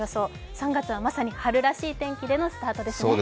３月はまさに春らしい天気でのスタートですね。